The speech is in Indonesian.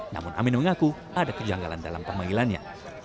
namun amin mengaku ada kejanggalan dalam pemanggilannya